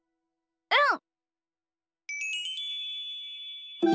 うん！